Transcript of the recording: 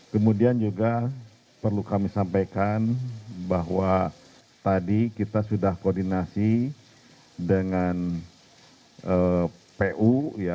kemudian juga perlu kami sampaikan bahwa tadi kita sudah koordinasi dengan pu